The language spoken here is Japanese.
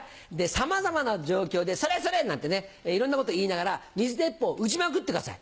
さまざまな状況で「それそれ！」なんてねいろんなこと言いながら水鉄砲うちまくってください。